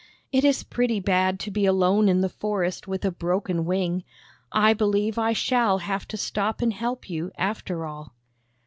"It is pretty bad to be alone in the forest, with a broken wing. I believe I shall have to stop and help you, after all."